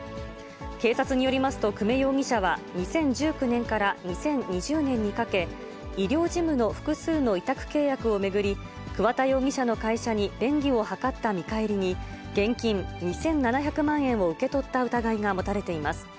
警察によりますと、久米容疑者は２０１９年から２０２０年にかけ、医療事務の複数の委託契約を巡り、くわ田容疑者の会社に便宜を図った見返りに、現金２７００万円を受け取った疑いが持たれています。